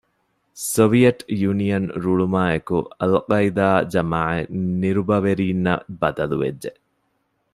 ސޮވިއެޓް ޔުނިއަން ރޫޅުމާއެކު އަލްޤާޢިދާ ޖަމާޢަތް ނިރުބަވެރީންނަށް ބަދަލުވެއްޖެ